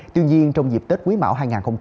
tuy nhiên trong dịp tết quý mão hai nghìn hai mươi bốn